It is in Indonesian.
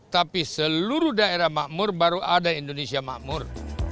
tapi seluruh daerah makmur baru ada indonesia makmur